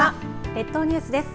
列島ニュースです。